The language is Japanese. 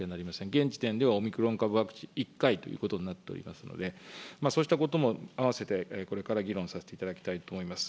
現時点では、オミクロン株ワクチン、１回ということになっておりますので、そうしたこともあわせてこれから議論させていただきたいと思います。